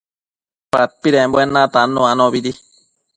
padpidembuen natannu anobidi